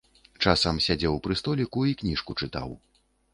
Часам сядзеў пры століку і кніжку чытаў.